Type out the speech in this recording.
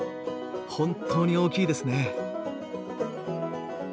本当に大きいですね。